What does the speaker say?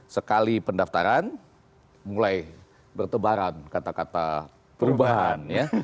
sekali pendaftaran mulai bertebaran kata kata perubahan ya